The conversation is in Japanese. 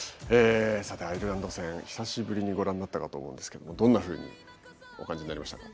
さてアイルランド戦久しぶりにご覧になったかと思うんですけどもどんなふうにお感じになりましたか？